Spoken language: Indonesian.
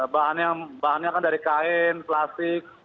bahannya kan dari kain plastik